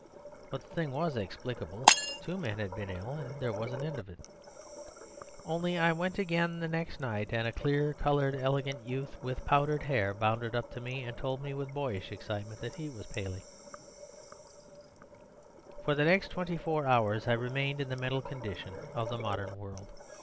But the thing was explicable; two men had been ill and there was an end of it; only I went again the next night, and a clear coloured elegant youth with powdered hair bounded up to me, and told me with boyish excitement that he was Paley. For the next twenty four hours I remained in the mental condition of the modern world.